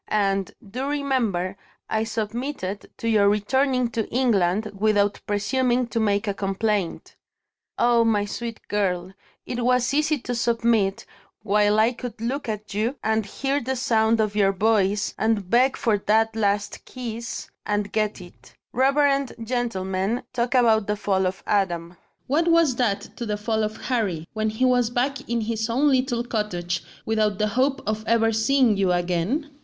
And, do remember, I submitted to your returning to England, without presuming to make a complaint. Ah, my sweet girl, it was easy to submit, while I could look at you, and hear the sound of your voice, and beg for that last kiss and get it. Reverend gentlemen talk about the fall of Adam. What was that to the fall of Harry, when he was back in his own little cottage, without the hope of ever seeing you again?